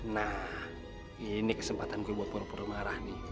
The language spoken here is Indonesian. nah ini kesempatanku buat pura pura marah nih